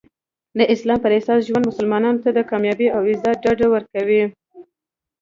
د اسلام پراساس ژوند مسلمانانو ته د کامیابي او عزت ډاډ ورکوي.